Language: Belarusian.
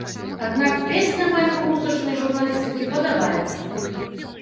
Аднак, песня мэтру музычнай журналістыкі падабаецца!